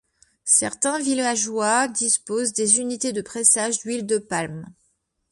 Certains villageois disposent des unités de pressage d’huile de palme.